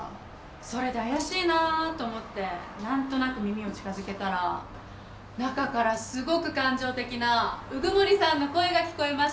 それで怪しいなと思って何となく耳を近づけたら中からすごく感情的な鵜久森さんの声が聞こえました。